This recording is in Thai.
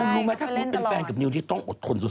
รู้ไหมถ้าคุณเป็นแฟนกับนิวที่ต้องอดทนสุด